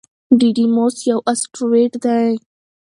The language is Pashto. ډیډیموس یو اسټروېډ دی.